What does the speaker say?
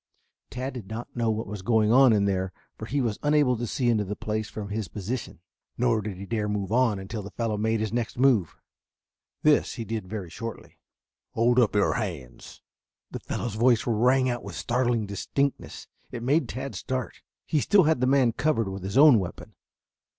Tad did not know what was going on in there, for he was unable to see into the place from his position, nor did he dare move on until the fellow made his next move. This he did very shortly. "Hold up your hands!" The fellow's voice rang out with startling distinctness. It made Tad start. He still had the man covered with his own weapon.